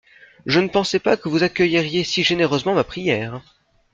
Je ne pensais pas que vous accueilleriez si généreusement ma prière.